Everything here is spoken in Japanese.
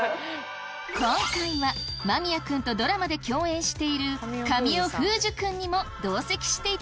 今回は間宮くんとドラマで共演している神尾楓珠くんにも同席していただきます。